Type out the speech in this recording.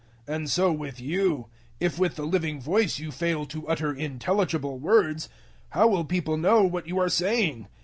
014:009 And so with you; if with the living voice you fail to utter intelligible words, how will people know what you are saying?